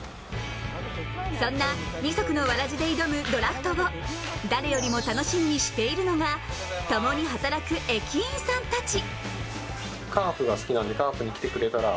そんな二足のわらじで挑むドラフトを誰よりも楽しみにしているのが、共に働く駅員さんたち。